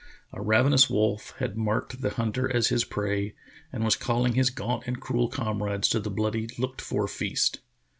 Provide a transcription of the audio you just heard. A ravenous wolf had marked the hunter as his prey and was calling his gaunt and cruel comrades to the bloody, looked for feast.